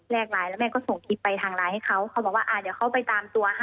ไลน์แล้วแม่ก็ส่งคลิปไปทางไลน์ให้เขาเขาบอกว่าอ่าเดี๋ยวเขาไปตามตัวให้